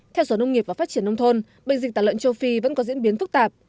theo sở nông nghiệp và phát triển nông thôn bệnh dịch tả lợn châu phi vẫn có diễn biến phức tạp